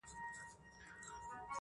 باد د غرونو له منځه راځي,